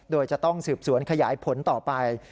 โดยจะต้องสืบสวนขยายผลต่อไป